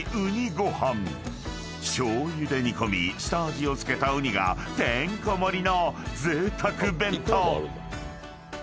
［醤油で煮込み下味を付けたうにがてんこ盛りのぜいたく弁当］